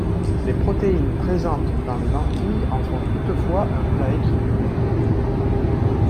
Les protéines présentes dans les lentilles en font toutefois un plat équilibré.